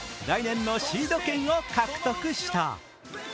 来年のシード権を獲得した。